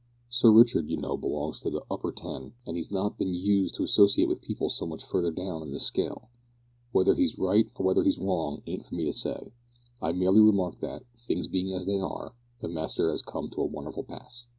Sir Richard, you know, belongs to the hupper ten, an' he 'as not been used to associate with people so much further down in the scale. Whether he's right or whether he's wrong ain't for me to say. I merely remark that, things being as they are, the master 'as come to a wonderful pass."